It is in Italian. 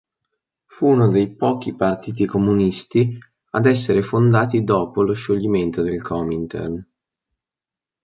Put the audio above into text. Fu uno dei pochi partiti comunisti ad essere fondati dopo lo scioglimento del Comintern.